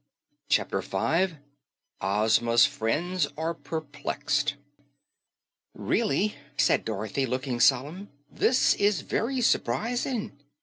CHAPTER 5 OZMA'S FRIENDS ARE PERPLEXED "Really," said Dorothy, looking solemn, "this is very s'prising.